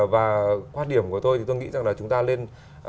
và quan điểm của tôi thì chúng ta nên